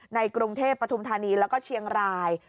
ในกรุงเทพปฐุมธานีแล้วก็เชียงราย